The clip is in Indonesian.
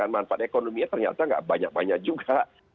manfaat ekonominya ternyata nggak banyak banyak juga